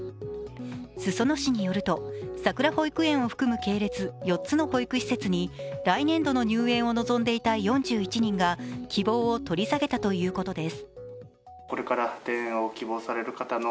裾野市によると、さくら保育園を含む系列４つの保育施設に来年度の入園を望んでいた４１人が希望を取り下げたということです。